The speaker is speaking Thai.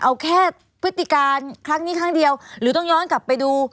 เอาแค่พฤติการครั้งนี้ครั้งเดียวหรือต้องย้อนกลับไปดู